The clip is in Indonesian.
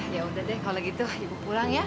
ya udah deh kalau gitu ibu pulang ya